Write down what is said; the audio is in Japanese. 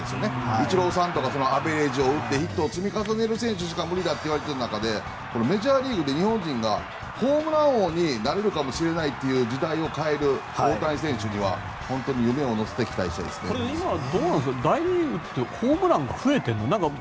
イチローさんとかアベレージを打ってヒットを積み重ねる選手しか無理だといわれている中でメジャーリーグで日本人がホームラン王になれるかもしれない時代を変える大谷選手には大リーグはホームランが増えてるの？